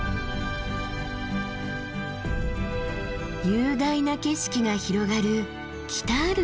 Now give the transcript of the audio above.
雄大な景色が広がる北アルプス。